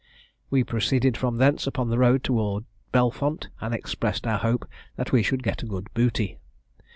We proceeded from thence upon the road towards Belfont, and expressed our hope that we should get a good booty.